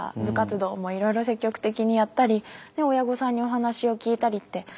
部活動もいろいろ積極的にやったり親御さんにお話を聞いたりって。